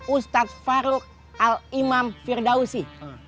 ustadz faruk al imam firdausi